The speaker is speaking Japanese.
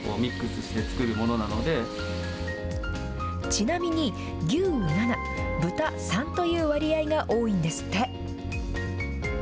ちなみに牛７豚３という割合が多いんですって。